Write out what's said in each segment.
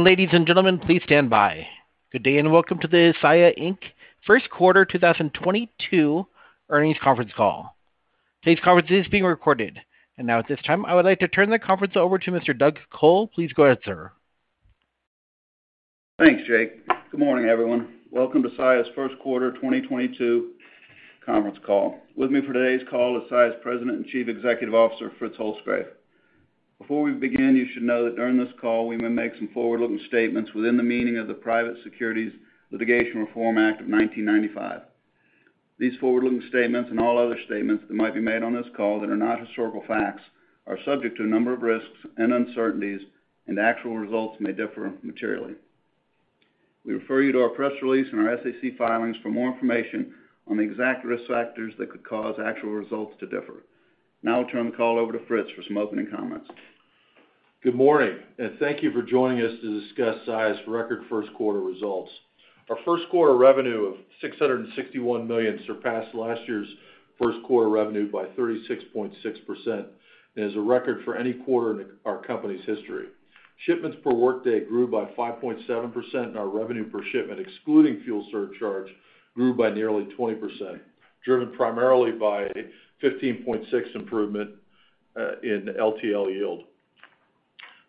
Ladies and gentlemen, please stand by. Good day, and welcome to the Saia Inc. first quarter 2022 earnings conference call. Today's conference is being recorded. Now at this time, I would like to turn the conference over to Mr. Doug Col. Please go ahead, sir. Thanks, Jake. Good morning, everyone. Welcome to Saia's first quarter 2022 conference call. With me for today's call is Saia's President and Chief Executive Officer, Fritz Holzgrefe. Before we begin, you should know that during this call, we may make some forward-looking statements within the meaning of the Private Securities Litigation Reform Act of 1995. These forward-looking statements and all other statements that might be made on this call that are not historical facts are subject to a number of risks and uncertainties, and actual results may differ materially. We refer you to our press release and our SEC filings for more information on the exact risk factors that could cause actual results to differ. Now I'll turn the call over to Fritz for some opening comments. Good morning, and thank you for joining us to discuss Saia's record first quarter results. Our first quarter revenue of $661 million surpassed last year's first quarter revenue by 36.6% and is a record for any quarter in our company's history. Shipments per workday grew by 5.7%, and our revenue per shipment, excluding fuel surcharge, grew by nearly 20%, driven primarily by a 15.6% improvement in LTL yield.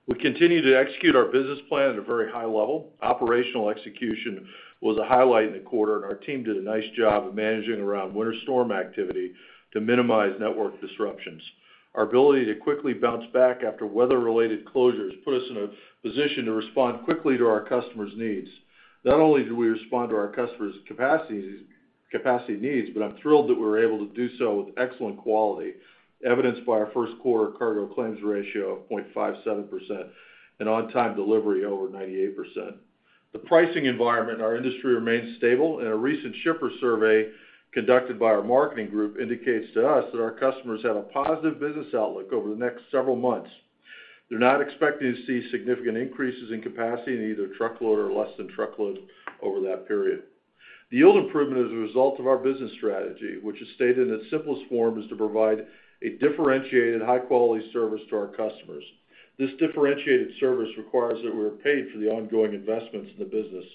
We continue to execute our business plan at a very high level. Operational execution was a highlight in the quarter, and our team did a nice job of managing around winter storm activity to minimize network disruptions. Our ability to quickly bounce back after weather-related closures put us in a position to respond quickly to our customers' needs. Not only do we respond to our customers' capacity needs, but I'm thrilled that we were able to do so with excellent quality, evidenced by our first quarter cargo claims ratio of 0.57% and on-time delivery over 98%. The pricing environment in our industry remains stable, and a recent shipper survey conducted by our marketing group indicates to us that our customers have a positive business outlook over the next several months. They're not expecting to see significant increases in capacity in either truckload or less than truckload over that period. The yield improvement is a result of our business strategy, which is stated in its simplest form, is to provide a differentiated high-quality service to our customers. This differentiated service requires that we are paid for the ongoing investments in the business.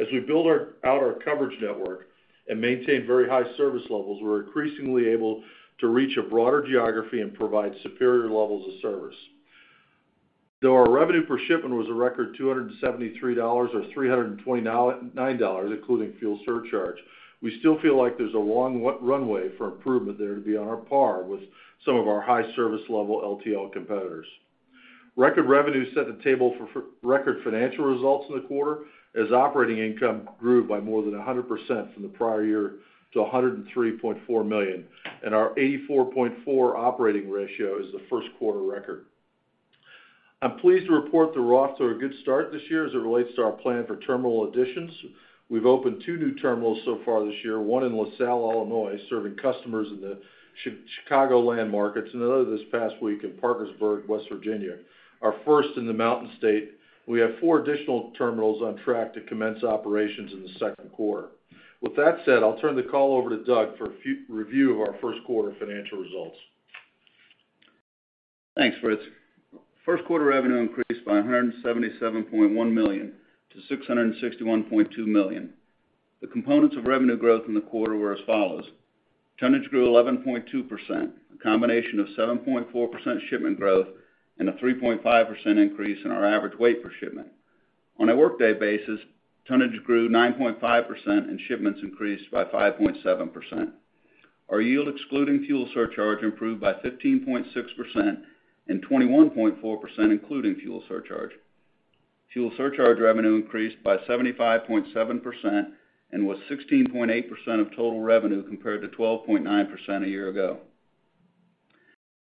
As we build out our coverage network and maintain very high service levels, we're increasingly able to reach a broader geography and provide superior levels of service. Though our revenue per shipment was a record $273 or $329, including fuel surcharge, we still feel like there's a long runway for improvement there to be on par with some of our high-service level LTL competitors. Record revenue set the table for record financial results in the quarter as operating income grew by more than 100% from the prior year to $103.4 million. Our 84.4 operating ratio is the first quarter record. I'm pleased to report that we're off to a good start this year as it relates to our plan for terminal additions. We've opened two new terminals so far this year, one in LaSalle, Illinois, serving customers in the Chicagoland markets, and another this past week in Parkersburg, West Virginia, our first in the Mountain State. We have four additional terminals on track to commence operations in the second quarter. With that said, I'll turn the call over to Doug for a review of our first quarter financial results. Thanks, Fritz. First quarter revenue increased by $177.1 million to $661.2 million. The components of revenue growth in the quarter were as follows. Tonnage grew 11.2%, a combination of 7.4% shipment growth and a 3.5% increase in our average weight per shipment. On a workday basis, tonnage grew 9.5% and shipments increased by 5.7%. Our yield excluding fuel surcharge improved by 15.6% and 21.4% including fuel surcharge. Fuel surcharge revenue increased by 75.7% and was 16.8% of total revenue compared to 12.9% a year ago.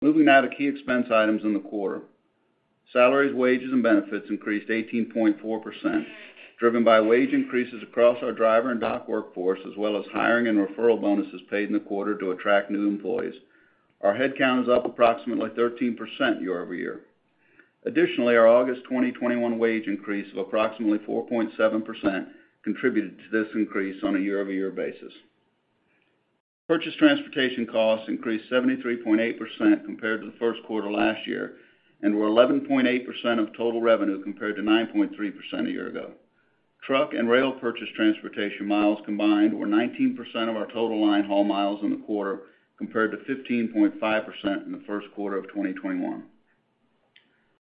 Moving now to key expense items in the quarter. Salaries, wages, and benefits increased 18.4%, driven by wage increases across our driver and dock workforce, as well as hiring and referral bonuses paid in the quarter to attract new employees. Our headcount is up approximately 13% year-over-year. Additionally, our August 2021 wage increase of approximately 4.7% contributed to this increase on a year-over-year basis. Purchase transportation costs increased 73.8% compared to the first quarter last year and were 11.8% of total revenue compared to 9.3% a year ago. Truck and rail purchase transportation miles combined were 19% of our total line haul miles in the quarter, compared to 15.5% in the first quarter of 2021.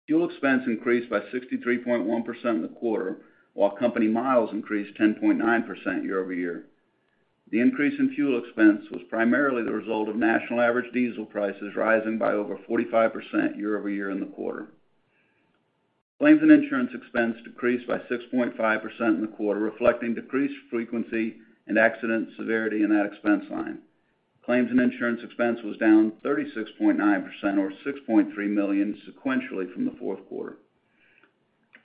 Fuel expense increased by 63.1% in the quarter, while company miles increased 10.9% year-over-year. The increase in fuel expense was primarily the result of national average diesel prices rising by over 45% year-over-year in the quarter. Claims and insurance expense decreased by 6.5% in the quarter, reflecting decreased frequency and accident severity in that expense line. Claims and insurance expense was down 36.9% or $6.3 million sequentially from the fourth quarter.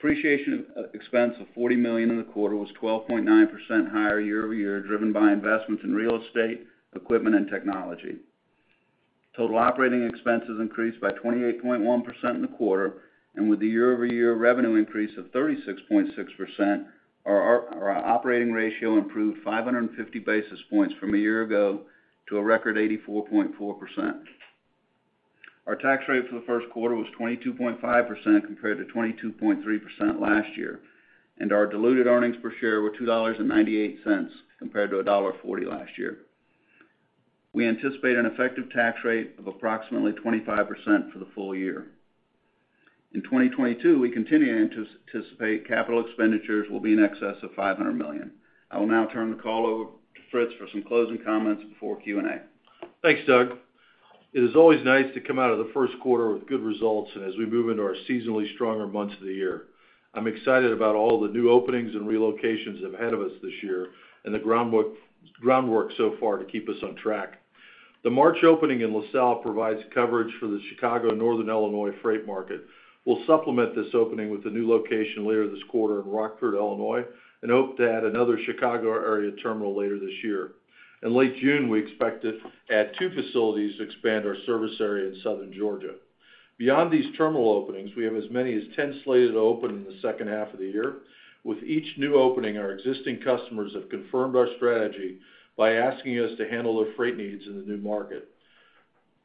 Depreciation expense of $40 million in the quarter was 12.9% higher year-over-year, driven by investments in real estate, equipment, and technology. Total operating expenses increased by 28.1% in the quarter. With the year-over-year revenue increase of 36.6%, our operating ratio improved 550 basis points from a year ago to a record 84.4%. Our tax rate for the first quarter was 22.5% compared to 22.3% last year, and our diluted earnings per share were $2.98 compared to $1.40 last year. We anticipate an effective tax rate of approximately 25% for the full year. In 2022, we continue to anticipate capital expenditures will be in excess of $500 million. I will now turn the call over to Fritz for some closing comments before Q&A. Thanks, Doug Col. It is always nice to come out of the first quarter with good results, and as we move into our seasonally stronger months of the year, I'm excited about all the new openings and relocations ahead of us this year and the groundwork so far to keep us on track. The March opening in LaSalle provides coverage for the Chicago Northern Illinois freight market. We'll supplement this opening with a new location later this quarter in Rockford, Illinois, and hope to add another Chicago area terminal later this year. In late June, we expect to add two facilities to expand our service area in southern Georgia. Beyond these terminal openings, we have as many as ten slated to open in the second half of the year. With each new opening, our existing customers have confirmed our strategy by asking us to handle their freight needs in the new market.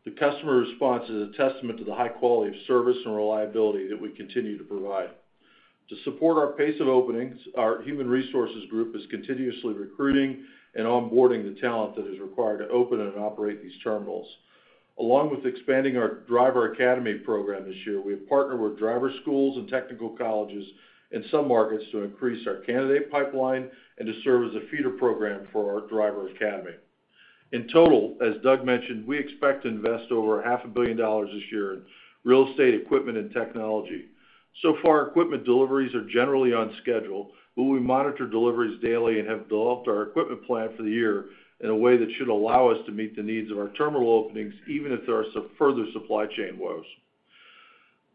The customer response is a testament to the high quality of service and reliability that we continue to provide. To support our pace of openings, our human resources group is continuously recruiting and onboarding the talent that is required to open and operate these terminals. Along with expanding our Driver Academy program this year, we have partnered with driver schools and technical colleges in some markets to increase our candidate pipeline and to serve as a feeder program for our Driver Academy. In total, as Doug mentioned, we expect to invest over half a billion dollars this year in real estate, equipment, and technology. So far, equipment deliveries are generally on schedule, but we monitor deliveries daily and have developed our equipment plan for the year in a way that should allow us to meet the needs of our terminal openings, even if there are some further supply chain woes.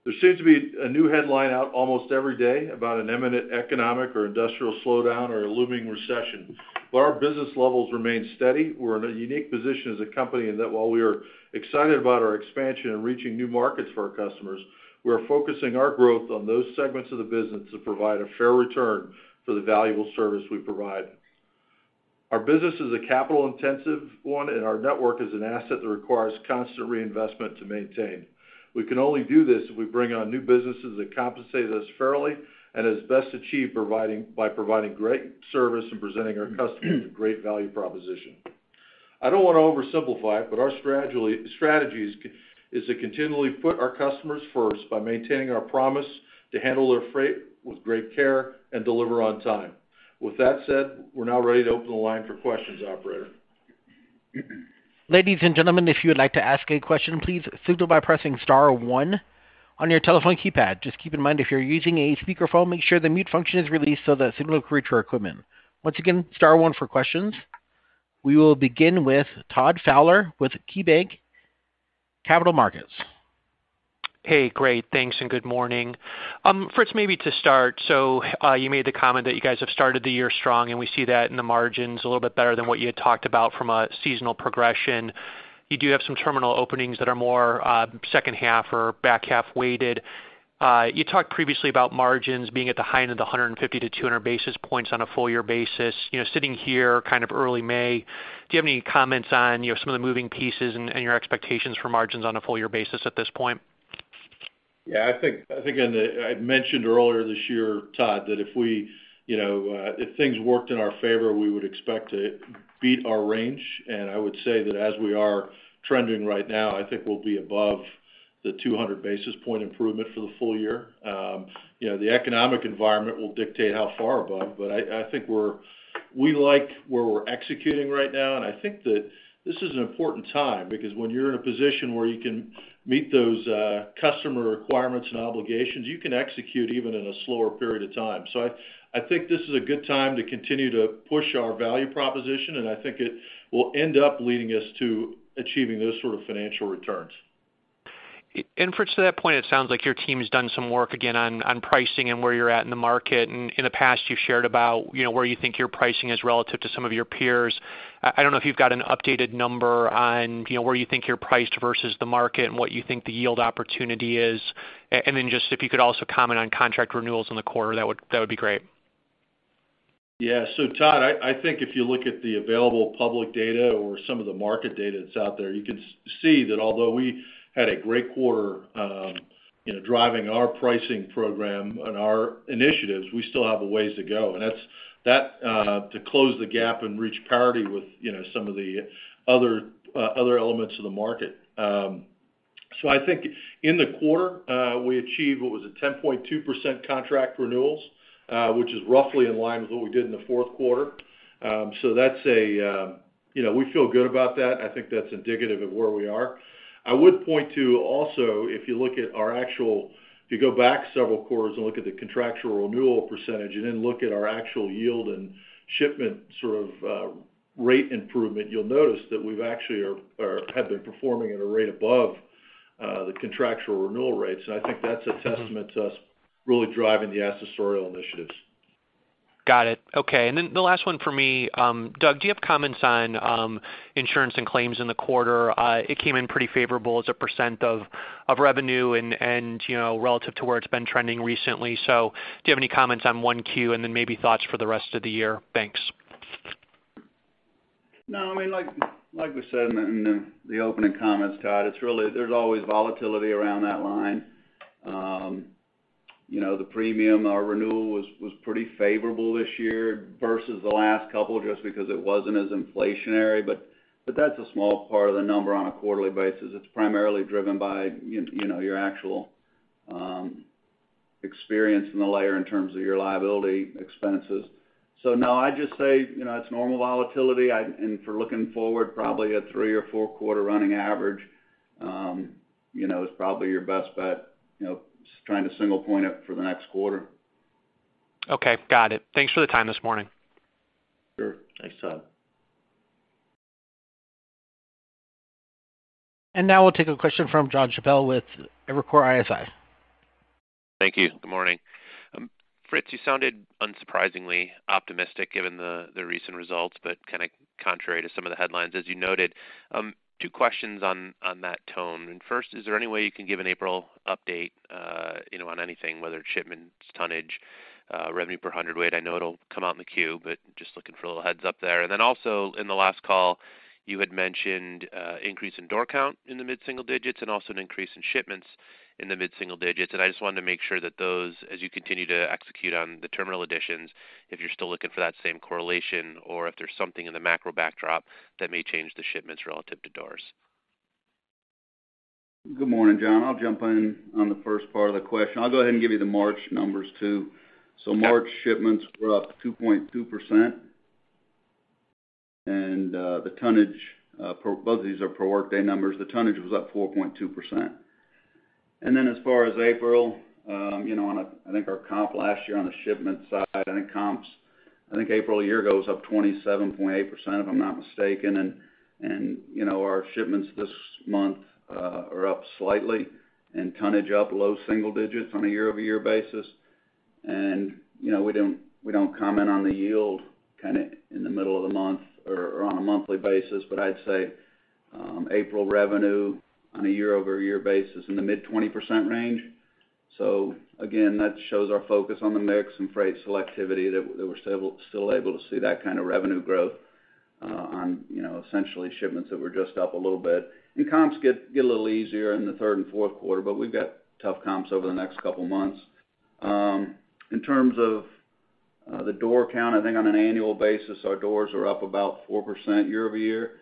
There seems to be a new headline out almost every day about an imminent economic or industrial slowdown or a looming recession, but our business levels remain steady. We're in a unique position as a company in that while we are excited about our expansion and reaching new markets for our customers, we are focusing our growth on those segments of the business that provide a fair return for the valuable service we provide. Our business is a capital-intensive one, and our network is an asset that requires constant reinvestment to maintain. We can only do this if we bring on new businesses that compensate us fairly and is best achieved by providing great service and presenting our customers with great value proposition. I don't want to oversimplify it, but our strategy is to continually put our customers first by maintaining our promise to handle their freight with great care and deliver on time. With that said, we're now ready to open the line for questions, operator. Ladies and gentlemen, if you would like to ask a question, please signal by pressing star one on your telephone keypad. Just keep in mind, if you're using a speakerphone, make sure the mute function is released so that signal can reach our equipment. Once again, star one for questions. We will begin with Todd Fowler with KeyBanc Capital Markets. Hey, great. Thanks, and good morning. Fritz, maybe to start, you made the comment that you guys have started the year strong, and we see that in the margins a little bit better than what you had talked about from a seasonal progression. You do have some terminal openings that are more second half or back half weighted. You talked previously about margins being at the high end of 150-200 basis points on a full year basis. You know, sitting here kind of early May, do you have any comments on, you know, some of the moving pieces and your expectations for margins on a full year basis at this point? Yeah, I think I mentioned earlier this year, Todd, that if we, you know, if things worked in our favor, we would expect to beat our range, and I would say that as we are trending right now, I think we'll be above the 200 basis point improvement for the full year. You know, the economic environment will dictate how far above, but I think we like where we're executing right now, and I think that this is an important time because when you're in a position where you can meet those customer requirements and obligations, you can execute even in a slower period of time. I think this is a good time to continue to push our value proposition, and I think it will end up leading us to achieving those sorts of financial returns. Fritz, to that point, it sounds like your team has done some work again on pricing and where you're at in the market. In the past you've shared about, you know, where you think your pricing is relative to some of your peers. I don't know if you've got an updated number on, you know, where you think you're priced versus the market and what you think the yield opportunity is. And then just if you could also comment on contract renewals in the quarter, that would be great. Yeah. Todd, I think if you look at the available public data or some of the market data that's out there, you can see that although we had a great quarter, you know, driving our pricing program and our initiatives, we still have a ways to go, and that's to close the gap and reach parity with, you know, some of the other elements of the market. I think in the quarter, we achieved what was a 10.2% contract renewals, which is roughly in line with what we did in the fourth quarter. That's a. You know, we feel good about that. I think that's indicative of where we are. I would point to also, if you go back several quarters and look at the contractual renewal percentage and then look at our actual yield and shipment sort of rate improvement, you'll notice that we've actually or have been performing at a rate above the contractual renewal rates, and I think that's a testament to us really driving the accessorial initiatives. Got it. Okay. Then the last one for me. Doug, do you have comments on insurance and claims in the quarter? It came in pretty favorable as a % of revenue and you know, relative to where it's been trending recently. Do you have any comments on 1Q and then maybe thoughts for the rest of the year? Thanks. No, I mean, like we said in the opening comments, Todd, it's really. There's always volatility around that line. You know, the premium, our renewal was pretty favorable this year versus the last couple just because it wasn't as inflationary. But that's a small part of the number on a quarterly basis. It's primarily driven by, you know, your actual experience in the layer in terms of your liability expenses. So now I just say, you know, it's normal volatility. For looking forward, probably a three- or four-quarter running average, you know, is probably your best bet, you know, trying to single point it for the next quarter. Okay. Got it. Thanks for the time this morning. Sure. Thanks, Todd. Now we'll take a question from Jonathan Chappell with Evercore ISI. Thank you. Good morning. Fritz, you sounded unsurprisingly optimistic given the recent results, but kinda contrary to some of the headlines, as you noted. Two questions on that tone. First, is there any way you can give an April update on anything, whether it's shipments, tonnage, revenue per hundredweight? I know it'll come out in the Q, but just looking for a little heads up there. Then also in the last call, you had mentioned increase in door count in the mid-single digits and also an increase in shipments in the mid-single digits. I just wanted to make sure that those, as you continue to execute on the terminal additions, if you're still looking for that same correlation or if there's something in the macro backdrop that may change the shipments relative to doors. Good morning, John. I'll jump in on the first part of the question. I'll go ahead and give you the March numbers too. Okay. March shipments were up 2.2%, and the tonnage, both of these are per workday numbers. The tonnage was up 4.2%. Then as far as April, you know, I think our comp last year on the shipment side and comps, I think April a year ago was up 27.8%, if I'm not mistaken. You know, our shipments this month are up slightly and tonnage up low single digits on a year-over-year basis. You know, we don't comment on the yield kinda in the middle of the month or on a monthly basis. But I'd say, April revenue on a year-over-year basis in the mid-20% range. Again, that shows our focus on the mix and freight selectivity that we're still able to see that kind of revenue growth on, you know, essentially shipments that were just up a little bit. Comps get a little easier in the third and fourth quarter, but we've got tough comps over the next couple of months. In terms of the door count, I think on an annual basis, our doors are up about 4% year-over-year.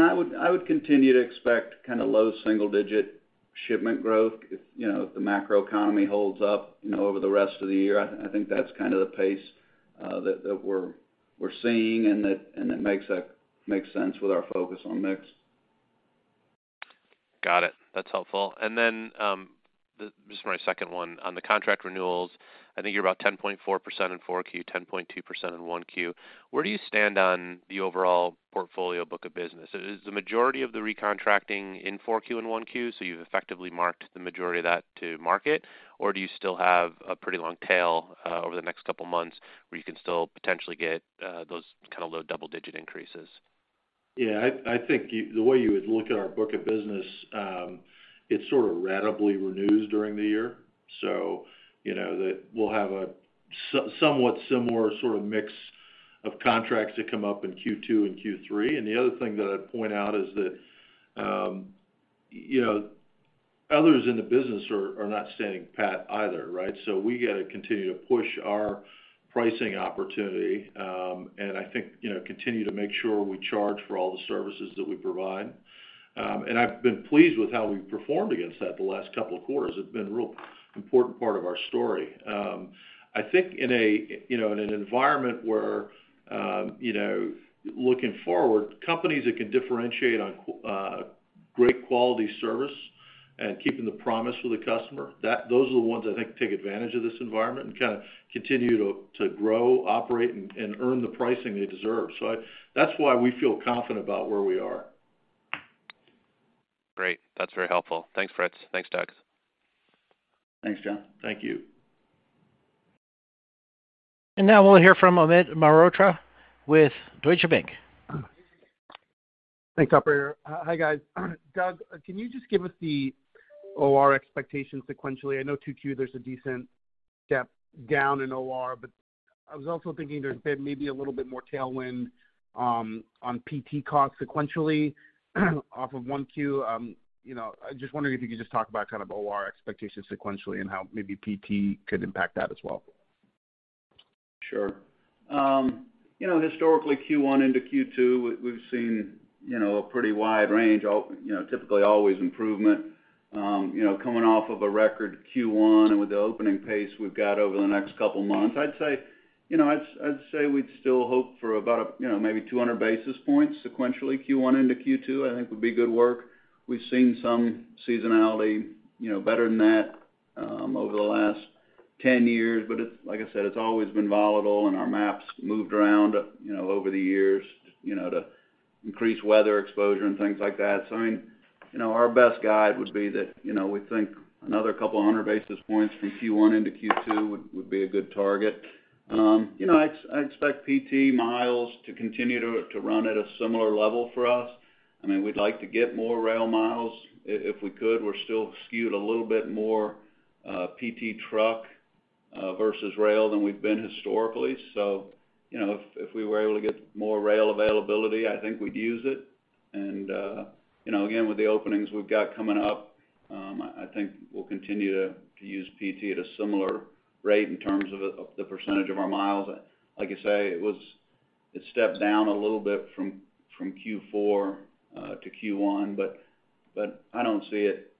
I would continue to expect kinda low single digit shipment growth, you know, if the macro economy holds up, you know, over the rest of the year. I think that's kind of the pace that we're seeing and that makes sense with our focus on mix. Got it. That's helpful. Just my second one. On the contract renewals, I think you're about 10.4% in 4Q, 10.2% in 1Q. Where do you stand on the overall portfolio book of business? Is the majority of the recontracting in 4Q and 1Q, so you've effectively marked the majority of that to market? Or do you still have a pretty long tail over the next couple of months where you can still potentially get those kinds of low double-digit increases? Yeah, I think the way you would look at our book of business, it sort of ratably renews during the year. You know, that we'll have a somewhat similar sort of mix of contracts that come up in Q2 and Q3. The other thing that I'd point out is that, you know, others in the business are not standing pat either, right? We got to continue to push our pricing opportunity, and I think, you know, continue to make sure we charge for all the services that we provide. I've been pleased with how we've performed against that the last couple of quarters. It's been a real important part of our story. I think in a, you know, in an environment where, you know, looking forward, companies that can differentiate on great quality service and keeping the promise for the customer, those are the ones I think take advantage of this environment and kinda continue to grow, operate, and earn the pricing they deserve. That's why we feel confident about where we are. Great. That's very helpful. Thanks, Fritz. Thanks, Doug. Thanks, John. Thank you. Now we'll hear from Amit Mehrotra with Deutsche Bank. Thanks, operator. Hi, guys. Doug, can you just give us the OR expectation sequentially? I know 2Q, there's a decent step down in OR, but I was also thinking there's been maybe a little bit more tailwind on PT COGS sequentially off of 1Q. You know, I'm just wondering if you could just talk about kind of OR expectations sequentially and how maybe PT could impact that as well. Sure. You know, historically, Q1 into Q2, we've seen you know, a pretty wide range of, you know, typically always improvement. You know, coming off of a record Q1 and with the booking pace we've got over the next couple of months, I'd say, you know, we'd still hope for about, you know, maybe 200 basis points sequentially, Q1 into Q2, I think would be good work. We've seen some seasonality, you know, better than that over the last 10 years. It's like I said, it's always been volatile and our ramps moved around, you know, over the years, you know, to increase weather exposure and things like that. I mean, you know, our best guide would be that, you know, we think another 200 basis points from Q1 into Q2 would be a good target. You know, I expect PT miles to continue to run at a similar level for us. I mean, we'd like to get more rail miles if we could. We're still skewed a little bit more, PT truck. versus rail than we've been historically. You know, if we were able to get more rail availability, I think we'd use it. You know, again, with the openings we've got coming up, I think we'll continue to use PT at a similar rate in terms of the percentage of our miles. Like I say, it stepped down a little bit from Q4 to Q1, but I don't see it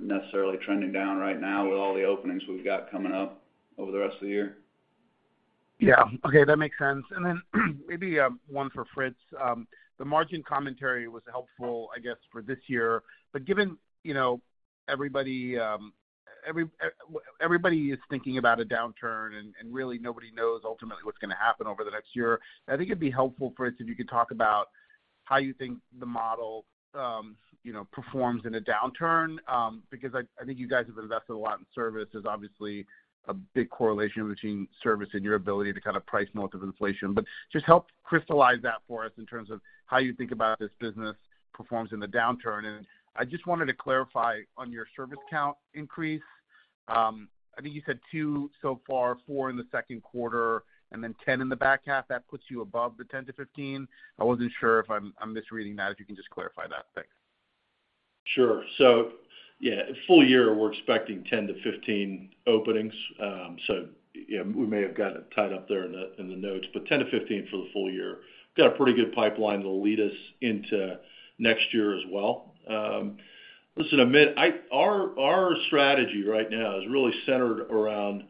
necessarily trending down right now with all the openings we've got coming up over the rest of the year. Yeah. Okay, that makes sense. Maybe, one for Fritz. The margin commentary was helpful, I guess, for this year. Given, you know, everybody is thinking about a downturn and really nobody knows ultimately what's gonna happen over the next year. I think it'd be helpful, Fritz, if you could talk about how you think the model, you know, performs in a downturn, because I think you guys have invested a lot in service. There's obviously a big correlation between service and your ability to kind of price most of inflation. Just help crystallize that for us in terms of how you think about this business performs in the downturn. I just wanted to clarify on your service count increase. I think you said two so far, four in the second quarter, and then 10 in the back half. That puts you above the 10 to 15. I wasn't sure if I'm misreading that, if you can just clarify that. Thanks. Sure. Yeah, full year, we're expecting 10-15 openings. You know, we may have got it tied up there in the notes, but 10-15 for the full year. Got a pretty good pipeline that'll lead us into next year as well. Listen, Amit, our strategy right now is really centered around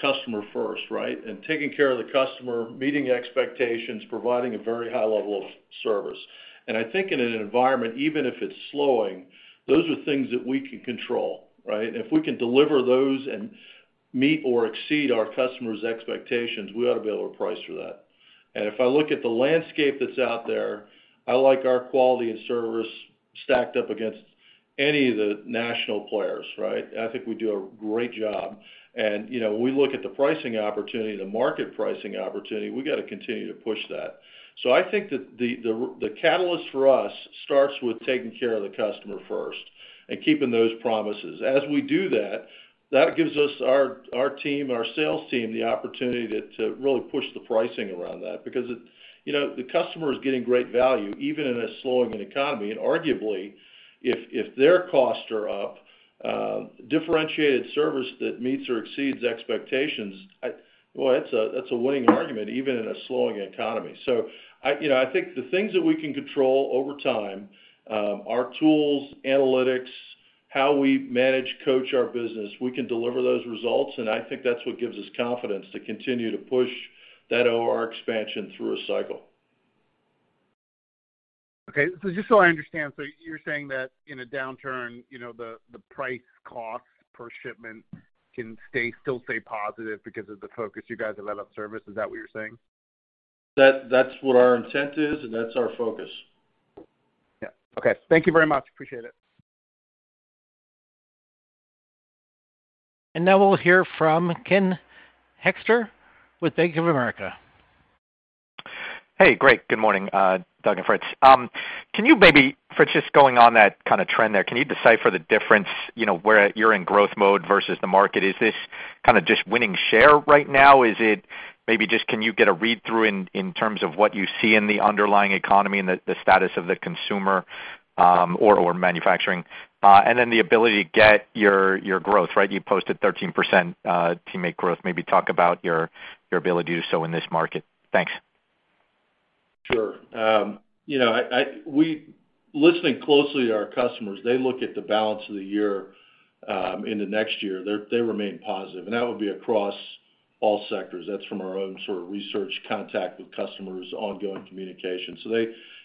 customer first, right? Taking care of the customer, meeting expectations, providing a very high level of service. I think in an environment, even if it's slowing, those are things that we can control, right? If we can deliver those and meet or exceed our customers' expectations, we ought to be able to price for that. If I look at the landscape that's out there, I like our quality and service stacked up against any of the national players, right? I think we do a great job. You know, when we look at the pricing opportunity, the market pricing opportunity, we got to continue to push that. I think that the catalyst for us starts with taking care of the customer first and keeping those promises. As we do that gives us our team, our sales team, the opportunity to really push the pricing around that because it. You know, the customer is getting great value, even in a slowing economy. Arguably, if their costs are up, differentiated service that meets or exceeds expectations, well, that's a winning argument even in a slowing economy. You know, I think the things that we can control over time are tools, analytics, how we manage, coach our business. We can deliver those results, and I think that's what gives us confidence to continue to push that OR expansion through a cycle. Okay. Just so I understand, so you're saying that in a downturn, you know, the price cost per shipment can still stay positive because of the focus you guys have laid on service. Is that what you're saying? That, that's what our intent is, and that's our focus. Yeah. Okay. Thank you very much. Appreciate it. Now we'll hear from Ken Hoexter with Bank of America. Hey, great. Good morning, Doug and Fritz. Can you maybe, Fritz, just going on that kinda trend there, can you decipher the difference, you know, where you're in growth mode versus the market? Is this kinda just winning share right now? Is it maybe just can you get a read-through in terms of what you see in the underlying economy and the status of the consumer or manufacturing? And then the ability to get your growth, right? You posted 13% teammate growth. Maybe talk about your ability to do so in this market. Thanks. Sure. You know, listening closely to our customers, they look at the balance of the year into next year. They remain positive, and that would be across all sectors. That's from our own sort of research contact with customers, ongoing communication.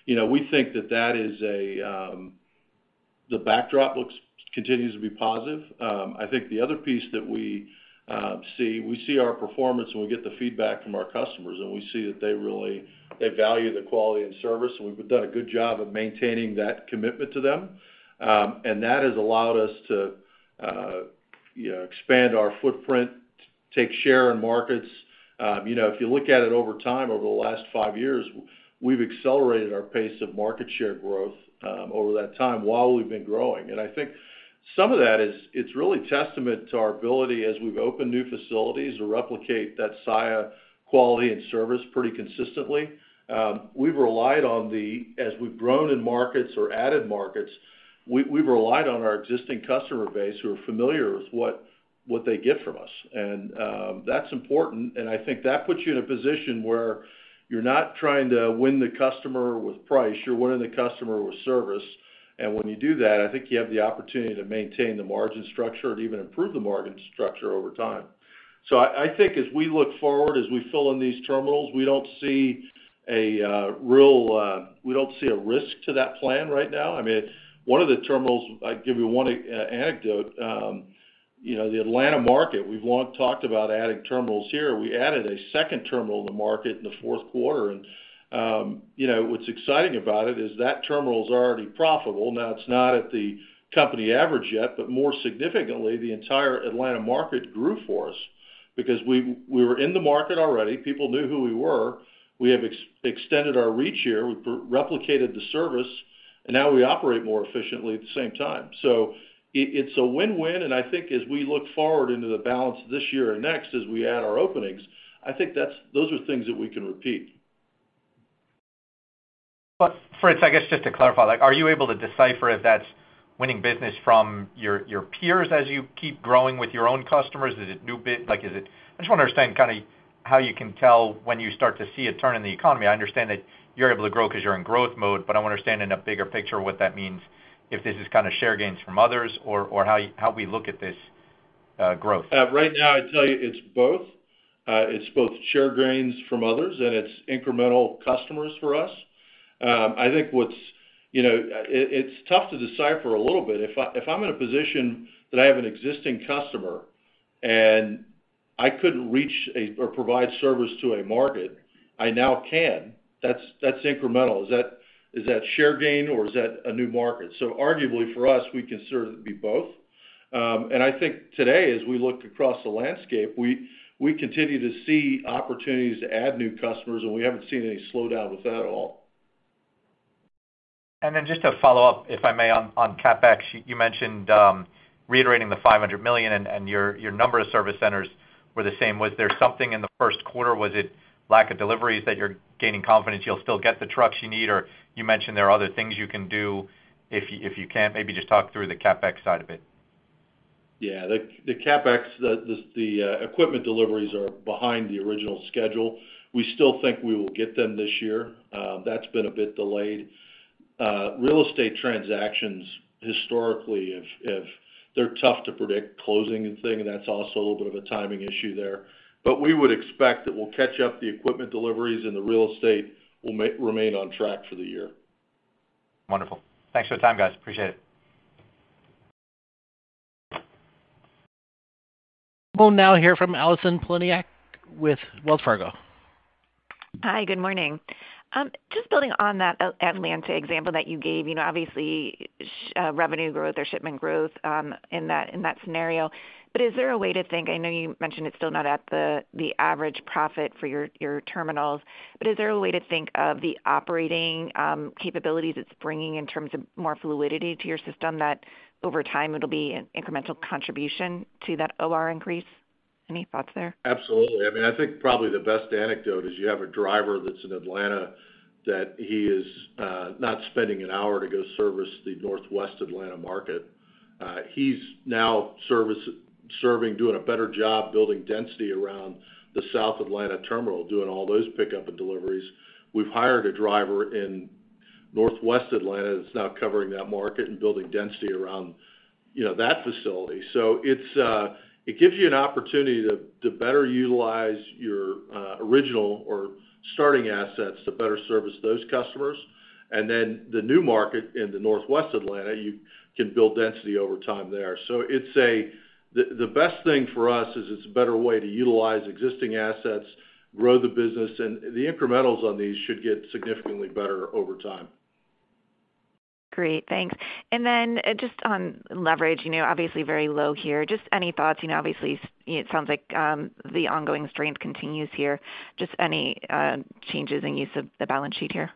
You know, we think that is a, the backdrop continues to be positive. I think the other piece that we see our performance when we get the feedback from our customers, and we see that they really value the quality and service, and we've done a good job of maintaining that commitment to them. That has allowed us to, you know, expand our footprint, take share in markets. You know, if you look at it over time, over the last five years, we've accelerated our pace of market share growth, over that time while we've been growing. I think some of that is, it's really testament to our ability as we've opened new facilities to replicate that Saia quality and service pretty consistently. As we've grown in markets or added markets, we've relied on our existing customer base who are familiar with what they get from us. That's important, and I think that puts you in a position where you're not trying to win the customer with price, you're winning the customer with service. When you do that, I think you have the opportunity to maintain the margin structure or even improve the margin structure over time. I think as we look forward, as we fill in these terminals, we don't see a real risk to that plan right now. I mean, one of the terminals, I'll give you one anecdote, the Atlanta market, we've long talked about adding terminals here. We added a second terminal to market in the fourth quarter, and what's exciting about it is that terminal is already profitable. Now, it's not at the company average yet, but more significantly, the entire Atlanta market grew for us because we were in the market already. People knew who we were. We have extended our reach here. We've replicated the service, and now we operate more efficiently at the same time. It's a win-win, and I think as we look forward into the balance of this year and next, as we add our openings, I think those are things that we can repeat. Fritz, I guess, just to clarify, like, are you able to decipher if that's winning business from your peers as you keep growing with your own customers? Is it like is it. I just wanna understand kinda how you can tell when you start to see a turn in the economy. I understand that you're able to grow 'cause you're in growth mode. I wanna understand in a bigger picture what that means, if this is kinda share gains from others or how we look at this growth. Right now, I'd tell you it's both. It's both share gains from others, and it's incremental customers for us. I think you know, it's tough to decipher a little bit. If I'm in a position that I have an existing customer and I couldn't reach or provide service to a market, I now can, that's incremental. Is that share gain or is that a new market? Arguably for us, we consider it to be both. I think today as we look across the landscape, we continue to see opportunities to add new customers, and we haven't seen any slowdown with that at all. Just to follow up, if I may, on CapEx, you mentioned reiterating the $500 million and your number of service centers were the same. Was there something in the first quarter? Was it lack of deliveries that you're gaining confidence you'll still get the trucks you need? Or you mentioned there are other things you can do if you can. Maybe just talk through the CapEx side of it. Yeah. The CapEx equipment deliveries are behind the original schedule. We still think we will get them this year. That's been a bit delayed. Real estate transactions. They're tough to predict closing and things, and that's also a little bit of a timing issue there. We would expect that we'll catch up the equipment deliveries, and the real estate will remain on track for the year. Wonderful. Thanks for the time, guys. Appreciate it. We'll now hear from Allison Poliniak-Cusic with Wells Fargo. Hi, good morning. Just building on that Atlanta example that you gave, you know, obviously, revenue growth or shipment growth, in that scenario. Is there a way to think, I know you mentioned it's still not at the average profit for your terminals, but is there a way to think of the operating capabilities it's bringing in terms of more fluidity to your system that over time it'll be an incremental contribution to that OR increase? Any thoughts there? Absolutely. I mean, I think probably the best anecdote is you have a driver that's in Atlanta that he is not spending an hour to go service the Northwest Atlanta market. He's now serving, doing a better job building density around the South Atlanta terminal, doing all those pickup and deliveries. We've hired a driver in Northwest Atlanta that's now covering that market and building density around, you know, that facility. It gives you an opportunity to better utilize your original or starting assets to better service those customers. The new market in the Northwest Atlanta, you can build density over time there. The best thing for us is it's a better way to utilize existing assets, grow the business, and the incrementals on these should get significantly better over time. Great. Thanks. Just on leverage, you know, obviously very low here. Just any thoughts, you know, obviously it sounds like the ongoing strength continues here. Just any changes in use of the balance sheet here?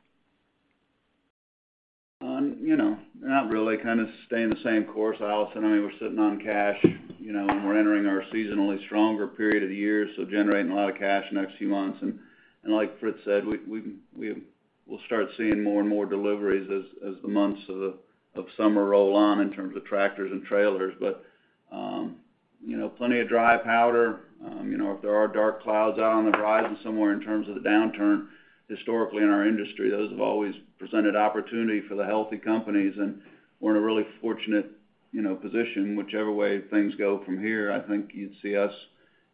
You know, not really. Kinda staying the same course, Allison. I mean, we're sitting on cash, you know, and we're entering our seasonally stronger period of the year, so generating a lot of cash in the next few months. Like Fritz said, we'll start seeing more and more deliveries as the months of summer roll on in terms of tractors and trailers. You know, plenty of dry powder. You know, if there are dark clouds out on the horizon somewhere in terms of the downturn, historically in our industry, those have always presented opportunity for the healthy companies, and we're in a really fortunate, you know, position. Whichever way things go from here, I think you'd see us,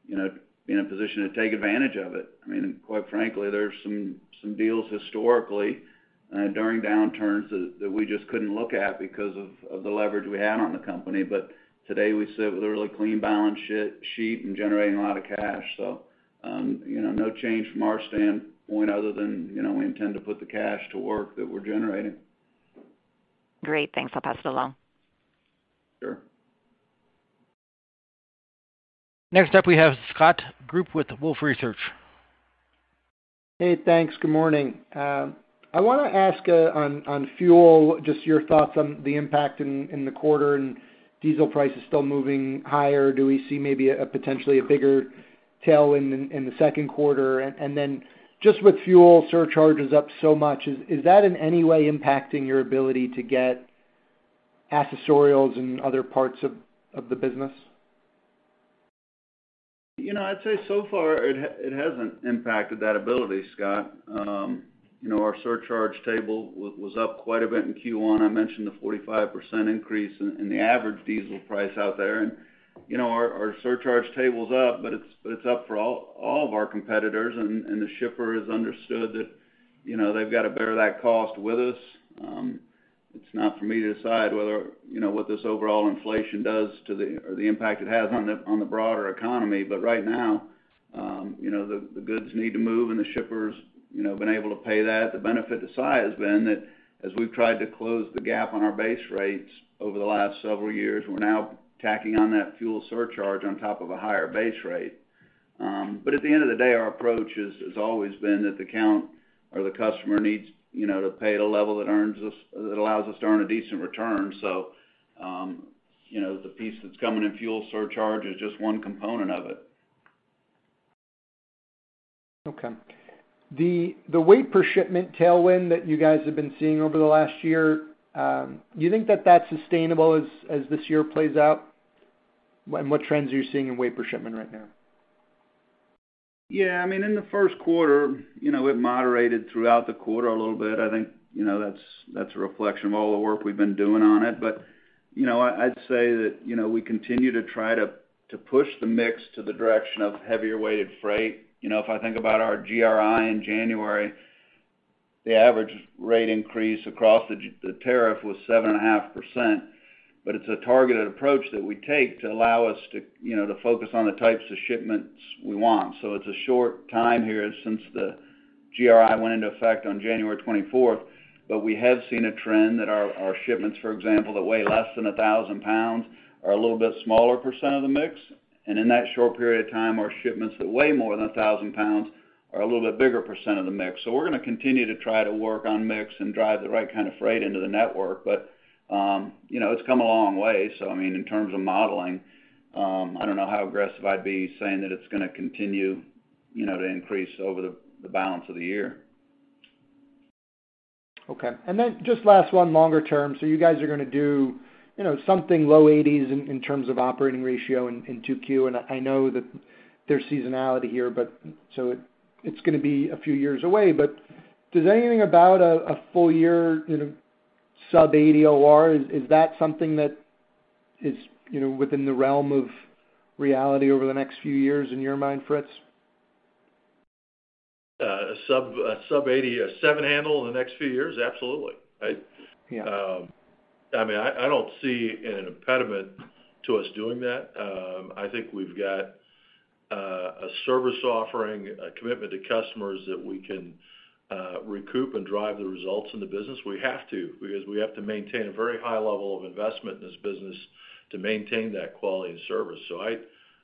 you know, be in a position to take advantage of it. I mean, quite frankly, there's some deals historically during downturns that we just couldn't look at because of the leverage we had on the company. Today, we sit with a really clean balance sheet and generating a lot of cash. You know, no change from our standpoint other than, you know, we intend to put the cash to work that we're generating. Great. Thanks. I'll pass it along. Sure. Next up, we have Scott Group with Wolfe Research. Hey, thanks. Good morning. I wanna ask on fuel, just your thoughts on the impact in the quarter and diesel prices still moving higher. Do we see maybe potentially a bigger tailwind in the second quarter? Then just with fuel surcharges up so much, is that in any way impacting your ability to get accessorials in other parts of the business? You know, I'd say so far it hasn't impacted that ability, Scott. You know, our surcharge table was up quite a bit in Q1. I mentioned the 45% increase in the average diesel price out there. You know, our surcharge table's up, but it's up for all of our competitors, and the shippers understood that, you know, they've got to bear that cost with us. It's not for me to decide whether, you know, what this overall inflation does to the OR or the impact it has on the broader economy. Right now, you know, the goods need to move and the shippers, you know, have been able to pay that. The benefit to size has been that as we've tried to close the gap on our base rates over the last several years, we're now tacking on that fuel surcharge on top of a higher base rate. At the end of the day, our approach has always been that the count or the customer needs, you know, to pay at a level that allows us to earn a decent return. You know, the piece that's coming in fuel surcharge is just one component of it. Okay. The weight per shipment tailwind that you guys have been seeing over the last year, do you think that that's sustainable as this year plays out? What trends are you seeing in weight per shipment right now? Yeah. I mean, in the first quarter, you know, it moderated throughout the quarter a little bit. I think, you know, that's a reflection of all the work we've been doing on it. You know, I'd say that, you know, we continue to try to push the mix to the direction of heavier-weighted freight. You know, if I think about our GRI in January, the average rate increase across the tariff was 7.5%, but it's a targeted approach that we take to allow us to, you know, to focus on the types of shipments we want. It's a short time here since the GRI went into effect on January 24th, but we have seen a trend that our shipments, for example, that weigh less than 1,000 lbs are a little bit smaller percent of the mix. In that short period of time, our shipments that weigh more than a 1,000 lbs are a little bit bigger percent of the mix. We're gonna continue to try to work on mix and drive the right kind of freight into the network. You know, it's come a long way. I mean, in terms of modeling, I don't know how aggressive I'd be saying that it's gonna continue, you know, to increase over the balance of the year. Okay. Just last one longer term. You guys are gonna do, you know, something low 80s in terms of operating ratio in 2Q, and I know that there's seasonality here, but it's gonna be a few years away. But does anything about a full year, you know, sub-80 OR, is that something that is, you know, within the realm of reality over the next few years in your mind, Fritz? A sub-80, a 7 handle in the next few years? Absolutely, right? Yeah. I mean, I don't see an impediment to us doing that. I think we've got a service offering, a commitment to customers that we can recoup and drive the results in the business. We have to because we have to maintain a very high level of investment in this business to maintain that quality and service.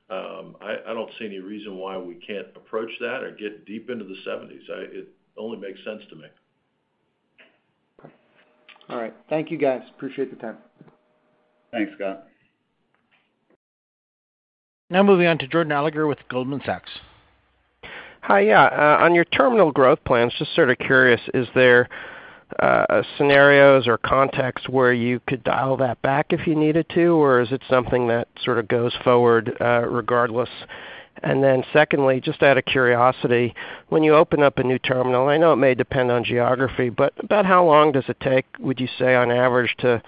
I don't see any reason why we can't approach that or get deep into the seventies. It only makes sense to me. Okay. All right. Thank you, guys. Appreciate the time. Thanks, Scott. Now moving on to Jordan Alliger with Goldman Sachs. Hi. Yeah. On your terminal growth plans, just sort of curious, is there scenarios or contexts where you could dial that back if you needed to, or is it something that sort of goes forward, regardless? Secondly, just out of curiosity, when you open up a new terminal, I know it may depend on geography, but about how long does it take, would you say, on average to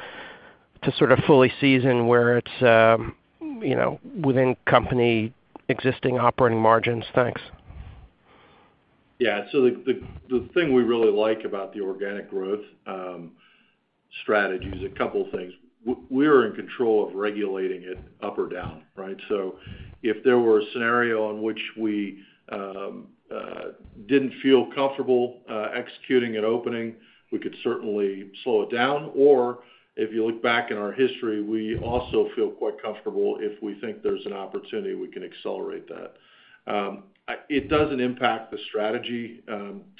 sort of fully season where it's, you know, within company existing operating margins? Thanks. Yeah. The thing we really like about the organic growth strategy is a couple things. We're in control of regulating it up or down, right? If there were a scenario in which we didn't feel comfortable executing an opening, we could certainly slow it down. If you look back in our history, we also feel quite comfortable if we think there's an opportunity we can accelerate that. It doesn't impact the strategy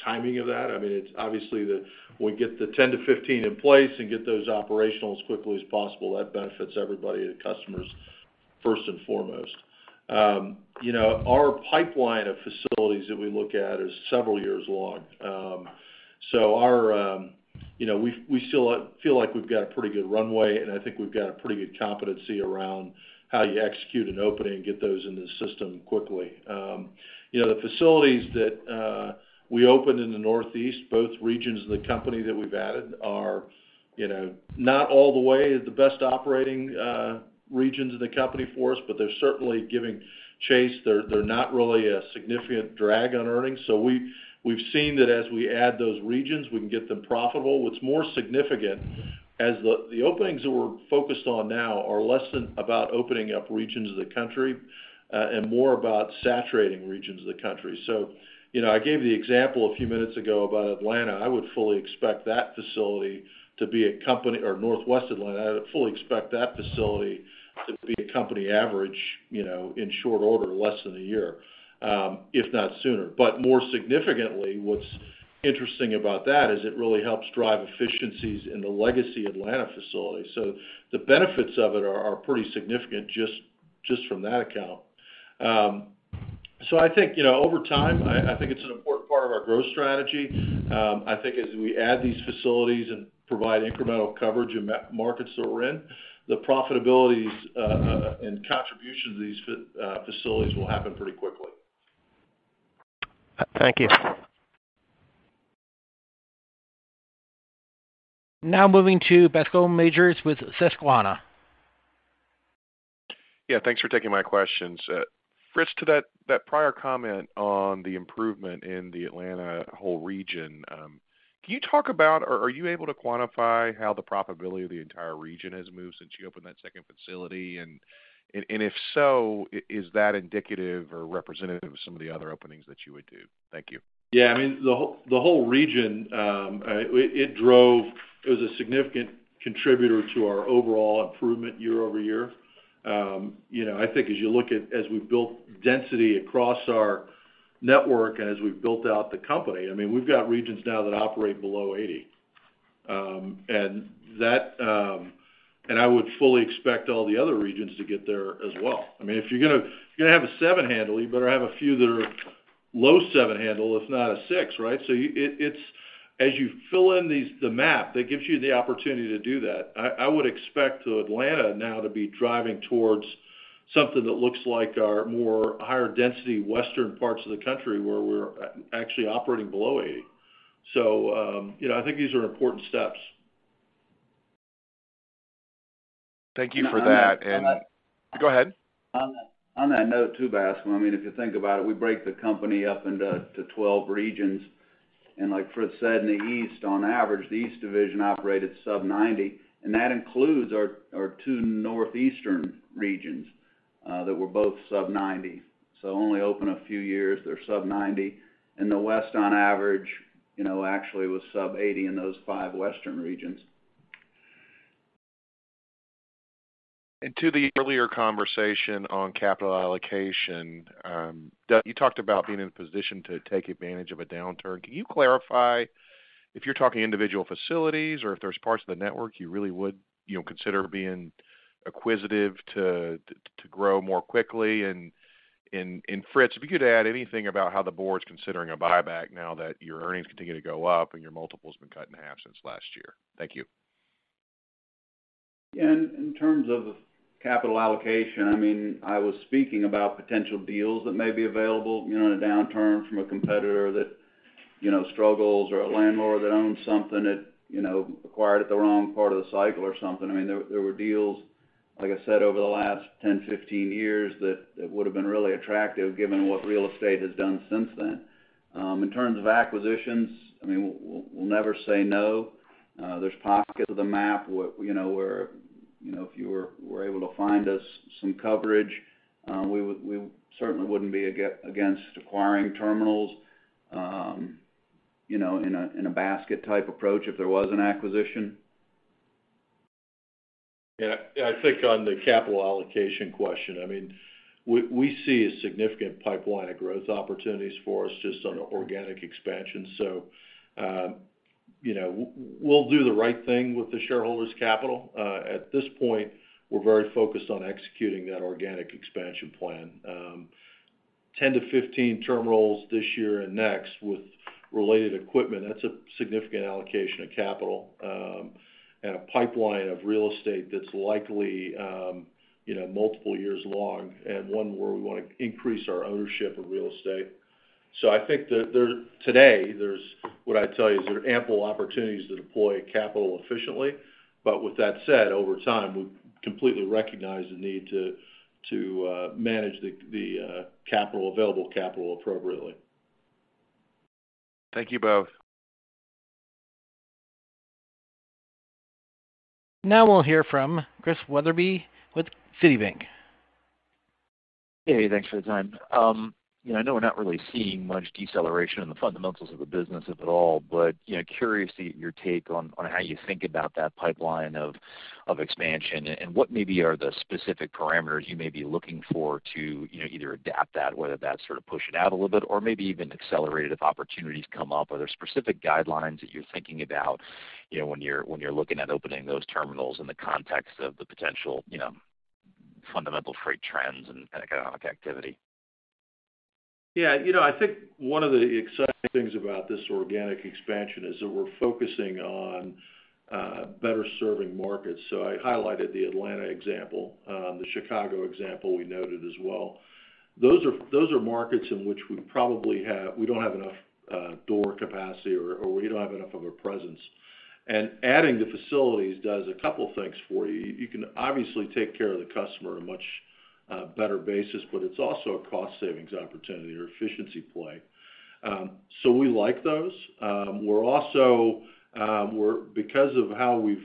timing of that. I mean, it's obviously we get the 10-15 in place and get those operational as quickly as possible. That benefits everybody and customers first and foremost. You know, our pipeline of facilities that we look at is several years long. Our, you know, we still feel like we've got a pretty good runway, and I think we've got a pretty good competency around how you execute an opening and get those in the system quickly. You know, the facilities that we opened in the Northeast, both regions of the company that we've added are, you know, not all the way the best operating regions of the company for us, but they're certainly giving chase. They're not really a significant drag on earnings. We've seen that as we add those regions, we can get them profitable. What's more significant, as the openings that we're focused on now are less about opening up regions of the country, and more about saturating regions of the country. You know, I gave the example a few minutes ago about Atlanta. I would fully expect that facility to be a company average, you know, in short order, less than a year, if not sooner. More significantly, what's interesting about that is it really helps drive efficiencies in the legacy Atlanta facility. The benefits of it are pretty significant just from that account. I think, you know, over time, I think it's an important part of our growth strategy. I think as we add these facilities and provide incremental coverage in markets that we're in, the profitabilities and contribution to these facilities will happen pretty quickly. Thank you. Now moving to Bascome Majors with Susquehanna. Yeah, thanks for taking my questions. Fritz, to that prior comment on the improvement in the Atlanta whole region, can you talk about or are you able to quantify how the profitability of the entire region has moved since you opened that second facility? And if so, is that indicative or representative of some of the other openings that you would do? Thank you. Yeah. I mean, the whole region. It was a significant contributor to our overall improvement year-over-year. You know, I think as you look at, as we've built density across our network and as we've built out the company, I mean, we've got regions now that operate below 80. And that, I would fully expect all the other regions to get there as well. I mean, if you're gonna have a seven handle, you better have a few that are low seven handle, if not a six, right? It's as you fill in the map, that gives you the opportunity to do that. I would expect Atlanta now to be driving towards something that looks like our more higher density Western parts of the country, where we're actually operating below 80. You know, I think these are important steps. Thank you for that. On that. Go ahead. On that note too, Bascome, I mean, if you think about it, we break the company up into 12 regions, and like Fritz said, in the East, on average, the East division operated sub-90, and that includes our two northeastern regions that were both sub-90. Only open a few years, they're sub-90. In the West on average, you know, actually was sub-80 in those five western regions. To the earlier conversation on capital allocation, you talked about being in a position to take advantage of a downturn. Can you clarify if you're talking individual facilities or if there's parts of the network you really would, you know, consider being acquisitive to grow more quickly? Fritz, if you could add anything about how the board's considering a buyback now that your earnings continue to go up and your multiple's been cut in half since last year. Thank you. Yeah. In terms of capital allocation, I mean, I was speaking about potential deals that may be available, you know, in a downturn from a competitor that, you know, struggles or a landlord that owns something that, you know, acquired at the wrong part of the cycle or something. I mean, there were deals, like I said, over the last 10, 15 years that would've been really attractive given what real estate has done since then. In terms of acquisitions, I mean, we'll never say no. There's pockets of the map where, you know, if you were able to find us some coverage, we would certainly not be against acquiring terminals, you know, in a basket type approach if there was an acquisition. Yeah. Yeah, I think on the capital allocation question, I mean, we see a significant pipeline of growth opportunities for us just on organic expansion. We'll do the right thing with the shareholders' capital. At this point, we're very focused on executing that organic expansion plan. 10-15 terminals this year and next with related equipment, that's a significant allocation of capital, and a pipeline of real estate that's likely, you know, multiple years long and one where we wanna increase our ownership of real estate. I think that today there's, what I'd tell you, is there are ample opportunities to deploy capital efficiently. With that said, over time, we completely recognize the need to manage the available capital appropriately. Thank you both. Now we'll hear from Christian Wetherbee with Citigroup. Hey, thanks for the time. You know, I know we're not really seeing much deceleration in the fundamentals of the business, if at all, but, you know, curious to get your take on how you think about that pipeline of expansion and what maybe are the specific parameters you may be looking for to, you know, either adapt that, whether that's sort of push it out a little bit or maybe even accelerate it if opportunities come up. Are there specific guidelines that you're thinking about, you know, when you're looking at opening those terminals in the context of the potential, you know, fundamental freight trends and economic activity? Yeah. You know, I think one of the exciting things about this organic expansion is that we're focusing on better serving markets. I highlighted the Atlanta example. The Chicago example we noted as well. Those are markets in which we probably have we don't have enough door capacity, or we don't have enough of a presence. Adding the facilities does a couple things for you. You can obviously take care of the customer in a much better basis, but it's also a cost savings opportunity or efficiency play. We like those. We're also because of how we've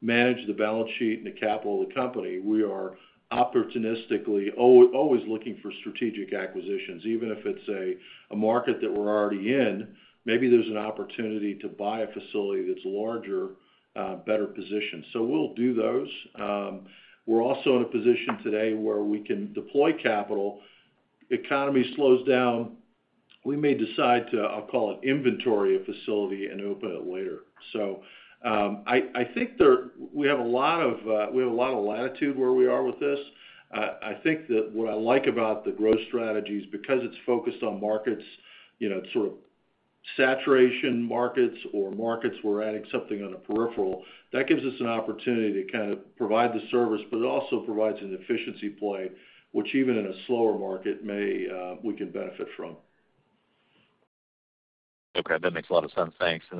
managed the balance sheet and the capital of the company, we are opportunistically always looking for strategic acquisitions, even if it's a market that we're already in. Maybe there's an opportunity to buy a facility that's larger, better positioned. We'll do those. We're also in a position today where we can deploy capital. Economy slows down, we may decide to, I'll call it inventory a facility and open it later. I think we have a lot of latitude where we are with this. I think that what I like about the growth strategy is because it's focused on markets, you know, sort of saturation markets or markets, we're adding something on a peripheral, that gives us an opportunity to kind of provide the service, but it also provides an efficiency play, which even in a slower market may we can benefit from. Okay. That makes a lot of sense. Thanks. I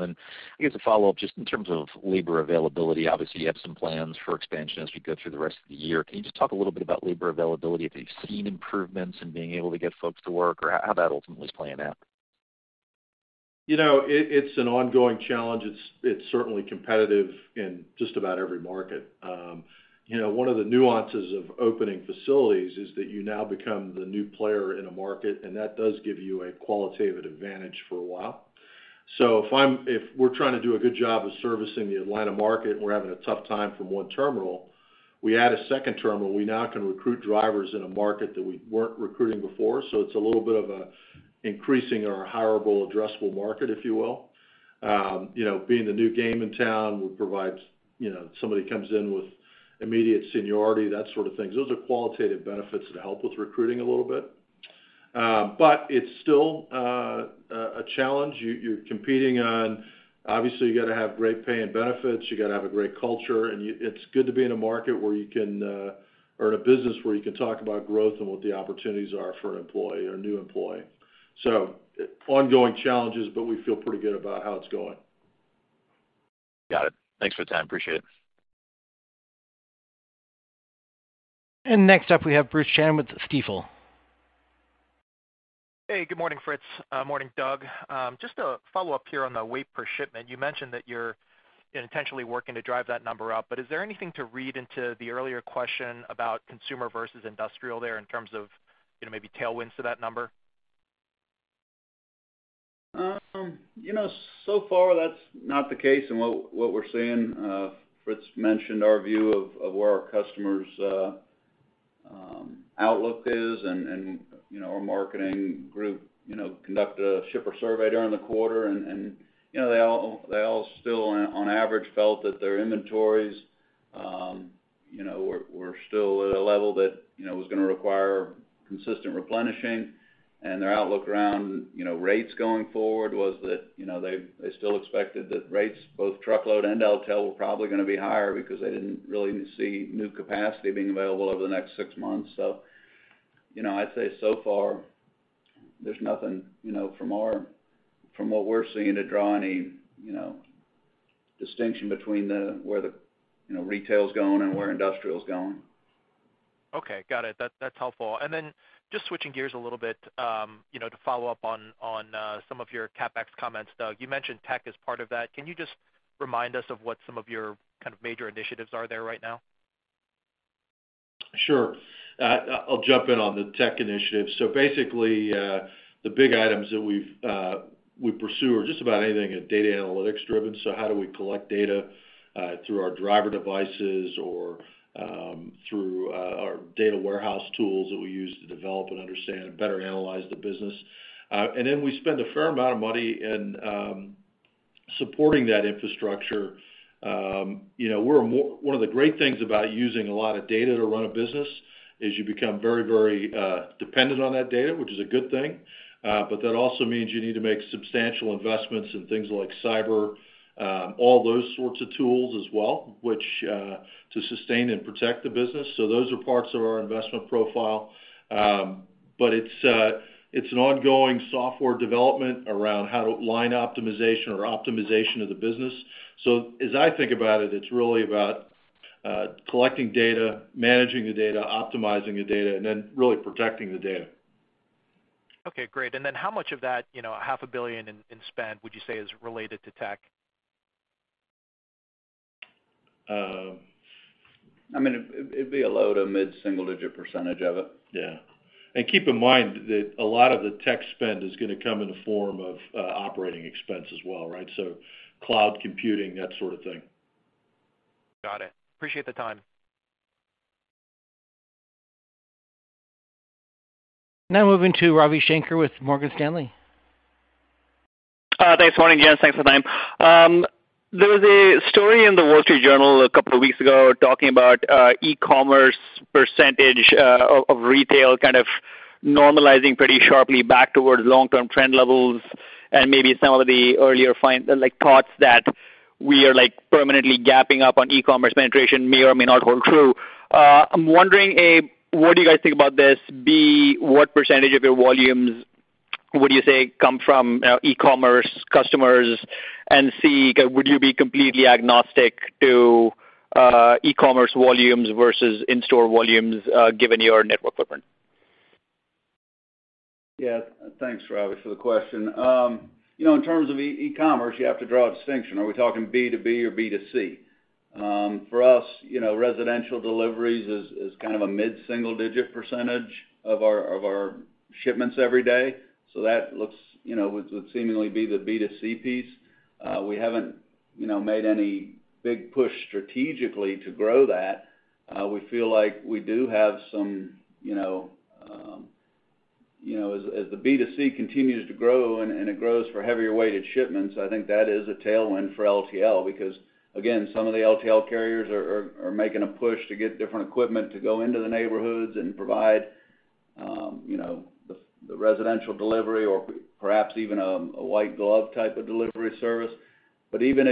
guess a follow-up, just in terms of labor availability, obviously, you have some plans for expansion as we go through the rest of the year. Can you just talk a little bit about labor availability, if you've seen improvements in being able to get folks to work, or how that ultimately is playing out? You know, it's an ongoing challenge. It's certainly competitive in just about every market. You know, one of the nuances of opening facilities is that you now become the new player in a market, and that does give you a qualitative advantage for a while. If we're trying to do a good job of servicing the Atlanta market, and we're having a tough time from one terminal We add a second terminal, we now can recruit drivers in a market that we weren't recruiting before. It's a little bit of a increasing our hireable addressable market, if you will. You know, being the new game in town, we provide, you know, somebody comes in with immediate seniority, that sort of things. Those are qualitative benefits that help with recruiting a little bit. But it's still a challenge. You're competing on. Obviously, you gotta have great pay and benefits. You gotta have a great culture, and it's good to be in a market where you can or in a business where you can talk about growth and what the opportunities are for an employee or a new employee. Ongoing challenges, but we feel pretty good about how it's going. Got it. Thanks for the time. Appreciate it. Next up, we have Bruce Chan with Stifel. Hey, good morning, Fritz. Morning, Doug. Just a follow-up here on the weight per shipment. You mentioned that you're intentionally working to drive that number up, but is there anything to read into the earlier question about consumer versus industrial there in terms of, you know, maybe tailwinds to that number? You know, so far that's not the case. What we're seeing, Fritz mentioned our view of where our customers' outlook is and, you know, our marketing group conduct a shipper survey during the quarter. You know, they all still on average felt that their inventories, you know, were still at a level that, you know, was gonna require consistent replenishing. Their outlook around, you know, rates going forward was that, you know, they still expected that rates, both truckload and LTL, were probably gonna be higher because they didn't really see new capacity being available over the next six months. you know, I'd say so far there's nothing, you know, from what we're seeing to draw any, you know, distinction between where the, you know, retail's going and where industrial's going. Okay. Got it. That's helpful. Just switching gears a little bit, you know, to follow up on some of your CapEx comments, Doug, you mentioned tech as part of that. Can you just remind us of what some of your kind of major initiatives are there right now? Sure. I'll jump in on the tech initiative. Basically, the big items that we pursue are just about anything that data analytics driven. How do we collect data through our driver devices or through our data warehouse tools that we use to develop and understand and better analyze the business? Then we spend a fair amount of money in supporting that infrastructure. You know, one of the great things about using a lot of data to run a business is you become very dependent on that data, which is a good thing. That also means you need to make substantial investments in things like cyber all those sorts of tools as well, which to sustain and protect the business. Those are parts of our investment profile. It's an ongoing software development around line optimization or optimization of the business. As I think about it's really about collecting data, managing the data, optimizing the data, and then really protecting the data. Okay, great. How much of that, you know, half a billion in spend, would you say is related to tech? I mean, it'd be a low- to mid-single-digit % of it. Yeah. Keep in mind that a lot of the tech spend is gonna come in the form of operating expense as well, right? Cloud computing, that sort of thing. Got it. Appreciate the time. Now moving to Ravi Shanker with Morgan Stanley. Thanks. Morning, gents. Thanks for the time. There was a story in The Wall Street Journal a couple of weeks ago talking about e-commerce percentage of retail kind of normalizing pretty sharply back towards long-term trend levels and maybe some of the earlier like, thoughts that we are, like, permanently gapping up on e-commerce penetration may or may not hold true. I'm wondering, A, what do you guys think about this? B, what percentage of your volumes would you say come from e-commerce customers? And C, would you be completely agnostic to e-commerce volumes versus in-store volumes given your network footprint? Yeah. Thanks, Ravi, for the question. You know, in terms of e-commerce, you have to draw a distinction. Are we talking B2B or B2C? For us, you know, residential deliveries is kind of a mid-single digit % of our shipments every day, so that looks, you know, would seemingly be the B2C piece. We haven't, you know, made any big push strategically to grow that. We feel like we do have some, you know, as the B2C continues to grow and it grows for heavier weighted shipments, I think that is a tailwind for LTL. Because, again, some of the LTL carriers are making a push to get different equipment to go into the neighborhoods and provide, you know, the residential delivery or perhaps even a white glove type of delivery service. Even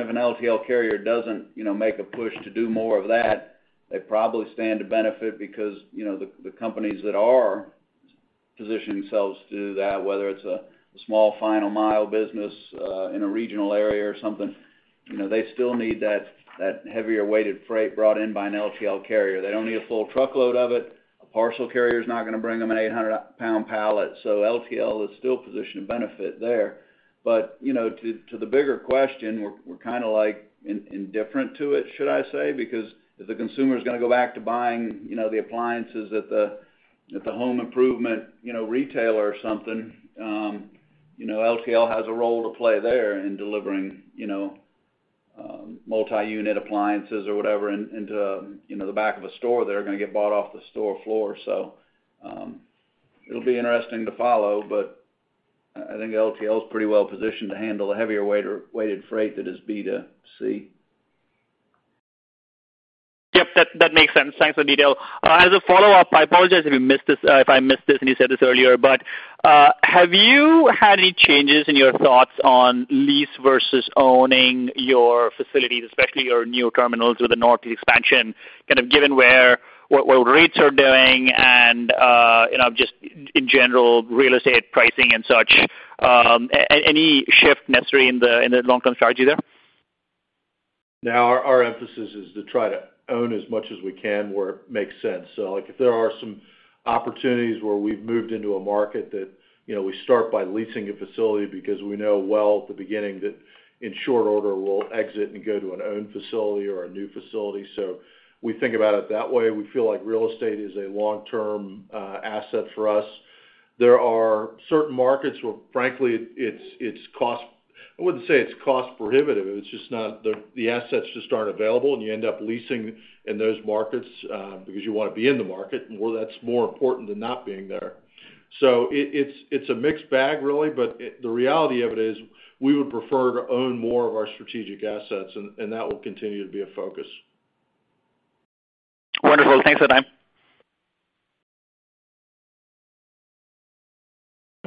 if an LTL carrier doesn't, you know, make a push to do more of that, they probably stand to benefit because, you know, the companies that are positioning themselves to do that, whether it's a small final mile business in a regional area or something, you know, they still need that heavier weighted freight brought in by an LTL carrier. They don't need a full truckload of it. A parcel carrier is not gonna bring them an 800-pound pallet. LTL is still positioned to benefit there. You know, to the bigger question, we're kinda like indifferent to it, should I say, because if the consumer's gonna go back to buying, you know, the appliances at the home improvement, you know, retailer or something. You know, LTL has a role to play there in delivering, you know, multi-unit appliances or whatever into, you know, the back of a store that are gonna get bought off the store floor. It'll be interesting to follow, but I think LTL is pretty well positioned to handle the heavier weighted freight that is B to C. Yep, that makes sense. Thanks for the detail. As a follow-up, I apologize if you missed this, if I missed this, and you said this earlier, but have you had any changes in your thoughts on lease versus owning your facilities, especially your new terminals or the Northeast expansion, kind of given where what rates are doing and you know, just in general, real estate pricing and such? Any shift necessary in the long-term strategy there? No, our emphasis is to try to own as much as we can where it makes sense. Like, if there are some opportunities where we've moved into a market that, you know, we start by leasing a facility because we know well at the beginning that in short order we'll exit and go to an owned facility or a new facility. We think about it that way. We feel like real estate is a long-term asset for us. There are certain markets where frankly, I wouldn't say it's cost prohibitive. It's just not the assets just aren't available, and you end up leasing in those markets, because you wanna be in the market, and where that's more important than not being there. It's a mixed bag really, but the reality of it is we would prefer to own more of our strategic assets and that will continue to be a focus. Wonderful. Thanks for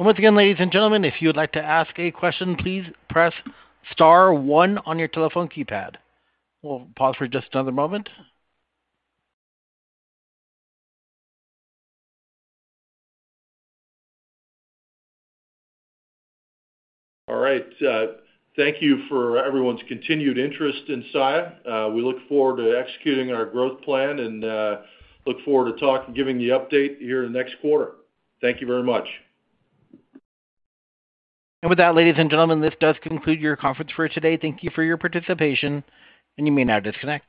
the time. Once again, ladies and gentlemen, if you would like to ask a question, please press star one on your telephone keypad. We'll pause for just another moment. All right. Thank you for everyone's continued interest in Saia. We look forward to executing our growth plan and look forward to talking, giving you update here next quarter. Thank you very much. With that, ladies and gentlemen, this does conclude your conference for today. Thank you for your participation, and you may now disconnect.